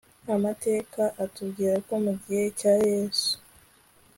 amateka atubwira ko mu gihe cya yesu